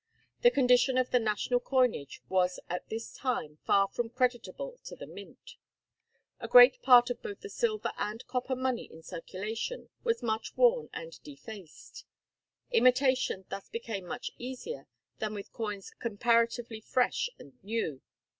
The condition of the national coinage was at this time far from creditable to the Mint. A great part of both the silver and copper money in circulation was much worn and defaced. Imitation thus became much easier than with coins comparatively fresh and new.